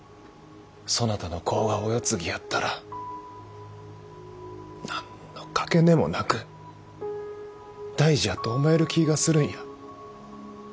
そなたの子がお世継ぎやったら何の掛値もなく大事やと思える気がするんや。